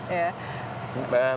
ya baru dua ya